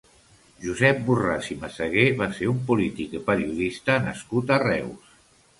Josep Borràs i Messeguer va ser un polític i periodista nascut a Reus.